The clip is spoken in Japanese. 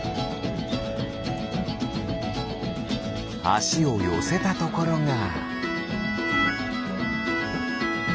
あしをよせたところが。